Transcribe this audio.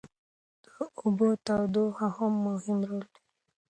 د اوبو تودوخه هم مهم رول لري.